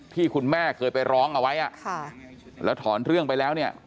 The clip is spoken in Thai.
ที่คุณแม่เคยไปร้องเอาไว้แล้วถอนเรื่องไปแล้วเนี่ย